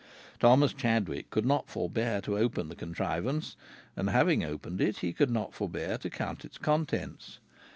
Thomas Chadwick could not forbear to open the contrivance, and having opened it he could not forbear to count its contents.